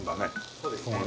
そうですね。